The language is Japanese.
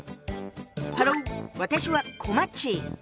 ハロー私はこまっち。